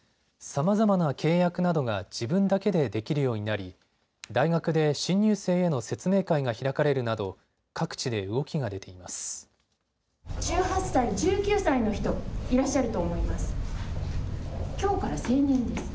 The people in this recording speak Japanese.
さまざまな契約などが自分だけでできるようになり大学で新入生への説明会が開かれるなど各地で動きが出ています。